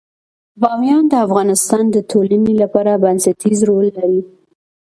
بامیان د افغانستان د ټولنې لپاره بنسټيز رول لري.